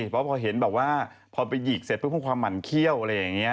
เพราะพอเห็นแบบว่าพอไปหยิกเสร็จปุ๊บพวกความหมั่นเขี้ยวอะไรอย่างนี้